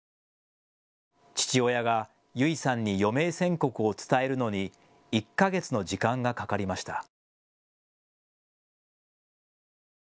父親が優生さんに余命宣告を伝えるのに１か月の時間がかかりました。